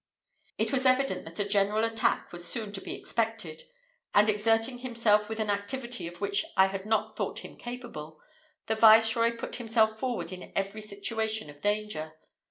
It was evident that a general attack was soon to be expected; and, exerting himself with an activity of which I had not thought him capable, the viceroy put himself forward in every situation of danger.